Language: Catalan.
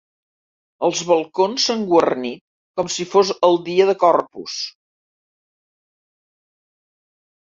Els balcons s’han guarnit com si fos el dia de Corpus.